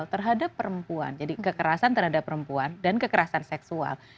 terhadap perempuan jadi kekerasan terhadap perempuan dan kekerasan seksual